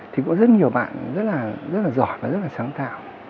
thì có rất nhiều bạn rất là giỏi và rất là sáng tạo